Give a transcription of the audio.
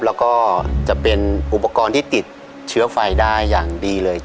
แล้วก็จะเป็นอุปกรณ์ที่ติดเชื้อไฟได้อย่างดีเลย